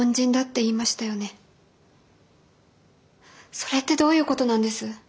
それってどういうことなんです？